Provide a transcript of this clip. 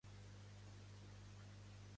Quin tipus de divinitat és Gunab?